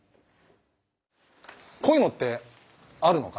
こういうのってあるのかな？